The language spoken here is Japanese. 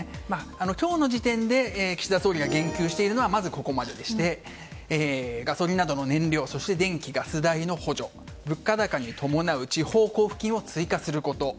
今日の時点で岸田総理が言及しているのはまず、ここまででしてガソリンなどの燃料そして電気・ガス代の補助や物価高に伴う地方交付金を追加すること。